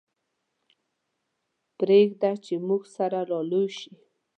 پرېږده چې موږ سره را لوی شي.